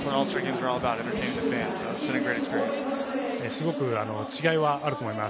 すごく違いはあると思います。